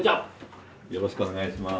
よろしくお願いします。